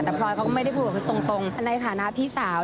แต่พลอยเขาก็ไม่ได้พูดกับเขาตรงในฐานะพี่สาว